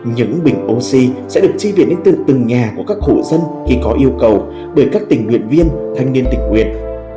những bình oxy sẽ được chi tuyển đến từng nhà của các hộ dân khi có yêu cầu bởi các tình nguyện viên thanh niên tình nguyện